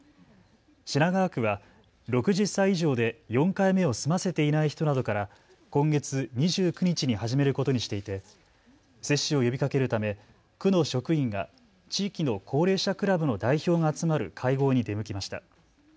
品川区は６０歳以上で４回目を済ませていない人などから今月２９日に始めることにしていて接種を呼びかけるため区の職員が地域の高齢者クラブの代表が集まる会合に出向きました。